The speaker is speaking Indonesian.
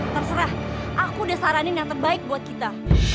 terserah aku udah saranin yang terbaik buat kita